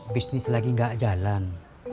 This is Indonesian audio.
bisnis lagi gak jalan